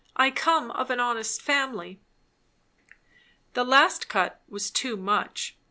I come of an honest family." That last cut was too much.